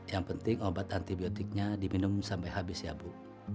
yang penting obat antibiotiknya diminum sampai habis ya bu